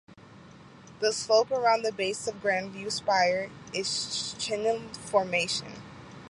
The slope around the base of Grand View Spire is Chinle Formation.